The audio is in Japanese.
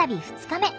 ２日目。